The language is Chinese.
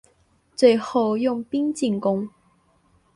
最后用兵进攻。